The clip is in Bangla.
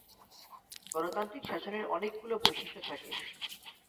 গণতান্ত্রিক শাসনের অনেকগুলো বৈশিষ্ট্য থাকে।